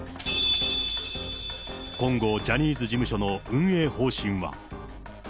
今後、ジャニーズ事務所の運営方針は。